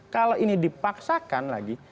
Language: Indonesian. kalau ini dipaksakan lagi